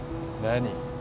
何？